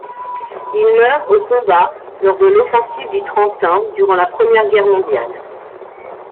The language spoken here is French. Il meurt au combat lors de l'offensive du Trentin durant la Première Guerre mondiale.